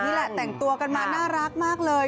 นี่แหละแต่งตัวกันมาน่ารักมากเลย